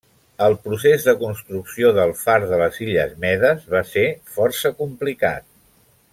El procés de construcció del far de les Illes Medes va ser força complicat.